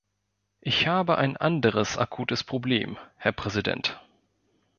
Ich habe ein anderes akutes Problem, Herr Präsident.